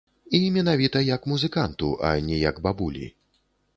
І менавіта як музыканту, а не як бабулі.